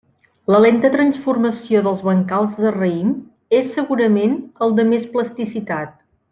La lenta transformació dels bancals de raïm és segurament el de més plasticitat.